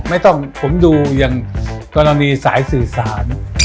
อย่างกรณีสายสื่อสาร